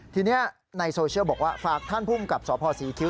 ทีนี้ในโซเชียลบอกว่าฝากท่านภูมิกับสพศรีคิ้ว